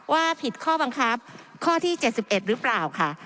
ว่าผิดข้อบังคับข้อที่๗๑หรือเปล่าค่ะ